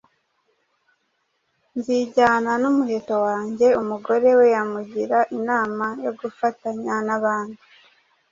Nzijyana n’umuheto wange Umugore we yamugira inama yo gufatanya n’abandi